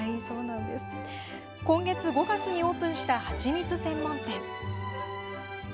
今年５月にオープンしたハチミツ専門店。